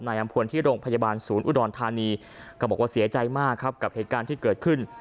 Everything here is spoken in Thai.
อำพลที่โรงพยาบาลศูนย์อุดรธานีก็บอกว่าเสียใจมากครับกับเหตุการณ์ที่เกิดขึ้น